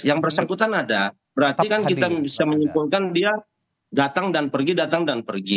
yang bersangkutan ada berarti kan kita bisa menyimpulkan dia datang dan pergi datang dan pergi